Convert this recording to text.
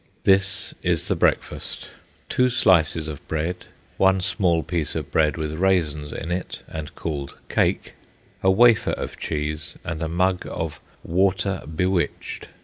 This is the breakfast: two slices of bread, one small piece of bread with raisins in it and called "cake," a wafer of cheese, and a mug of "water bewitched."